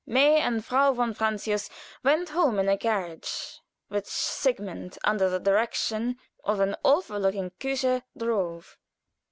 May and Frau von Francius went home in a carriage which Sigmund, under the direction of an awful looking Kutscher, drove.